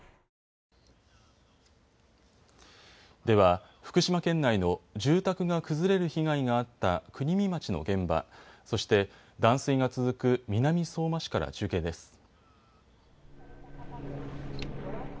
では、福島県内の住宅が崩れる被害があった国見町の現場、そして断水が続く南相馬市から中継です。